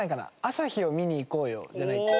『朝日を見に行こうよ』じゃないか。